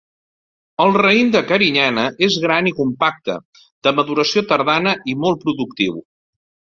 El raïm de carinyena és gran i compacte, de maduració tardana i molt productiu.